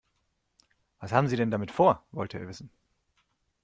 Was haben Sie denn damit vor?, wollte er wissen.